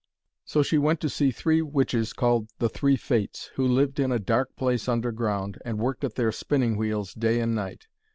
So she went to see three witches called the Three Fates, who lived in a dark place underground, and worked at their spinning wheels day and night.